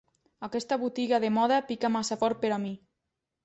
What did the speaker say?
Aquesta botiga de moda pica massa fort per a mi.